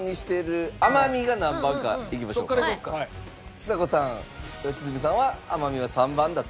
ちさ子さん良純さんは甘味は３番だと。